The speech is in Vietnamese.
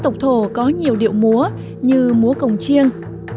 dân tộc thổ có nhiều điệu múa như múa công chiêng